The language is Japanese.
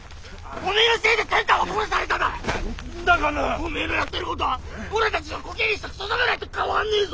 おめえのやってることぁおらたちをコケにしたクソ侍ど変わんねえぞ！